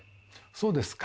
そうですか。